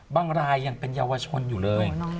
บางรายยังเป็นเยาวชนอยู่เลย